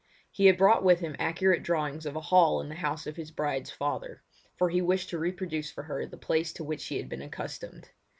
He had brought with him accurate drawings of a hall in the house of his bride's father, for he wished to reproduce for her the place to which she had been accustomed.